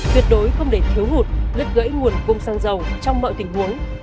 tuyệt đối không để thiếu hụt lứt gãy nguồn cung xăng dầu trong mọi tình huống